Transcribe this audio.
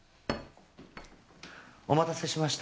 お待たせしました。